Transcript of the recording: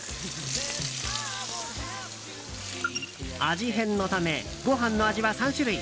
味変のため、ご飯の味は３種類。